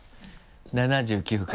７９回。